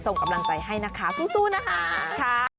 ส่งกำลังใจให้นะคะสู้นะคะ